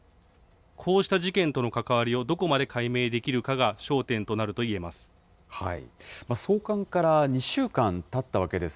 こうした事件との関わりをどこまで解明できるかが焦点となると言えます。